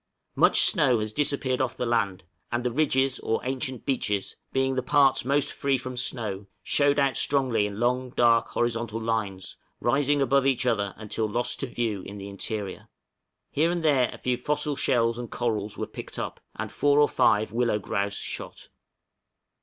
Much snow has disappeared off the land; and the ridges or ancient beaches, being the parts most free from snow, showed out strongly in long, dark, horizontal lines, rising above each other until lost to view in the interior. Here and there a few fossil shells and corals were picked up, and four or five willow grouse shot.